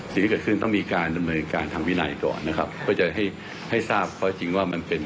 สิ่งที่เกิดขึ้นต้องมีการความแสงกัน